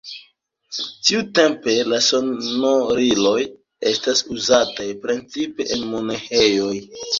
Tiutempe la sonoriloj estas uzataj precipe en monaĥejoj.